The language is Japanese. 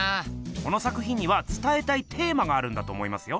この作品にはつたえたいテーマがあるんだと思いますよ。